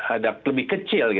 ada lebih kecil